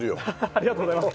ありがとうございます。